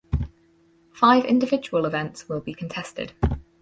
Five individual events will be contested.